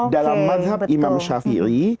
dalam mazhab imam syafi'i